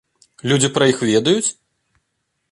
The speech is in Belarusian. Людзі пра іх ведаюць?